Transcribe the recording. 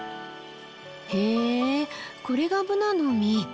へえこれがブナの実。